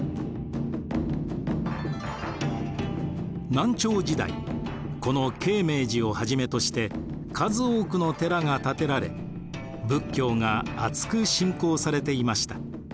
南朝時代この鶏鳴寺をはじめとして数多くの寺が建てられ仏教があつく信仰されていました。